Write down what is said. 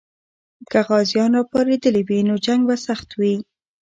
که غازیان راپارېدلي وي، نو جنګ به سخت وي.